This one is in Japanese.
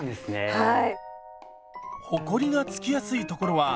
はい。